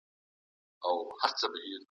که تعلیم تمرین ولري، وړتیا نه کمېږي.